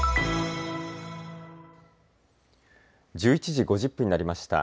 １１時５０分になりました。